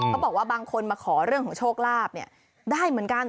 เขาบอกว่าบางคนมาขอเรื่องของโชคลาบได้เหมือนกัน